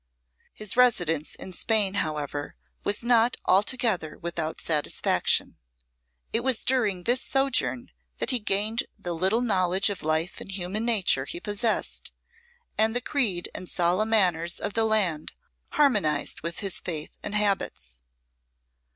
His residence in Spain, however, was not altogether without satisfaction. It was during this sojourn that he gained the little knowledge of life and human nature he possessed; and the creed and solemn manners of the land harmonised with his faith and habits.